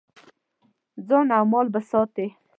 ځان او مال به ساتې.